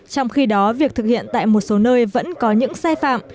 trong khi đó việc thực hiện tại một số nơi vẫn có những sai phạm